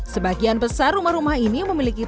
sebagian besar rumah rumah ini memiliki